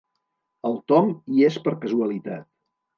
El Tom hi és per casualitat.